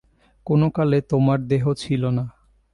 কোন কালে তোমার দেহ ছিল না।